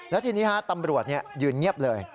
แล้วทีนี้ตำรวจยืนเงียบเลย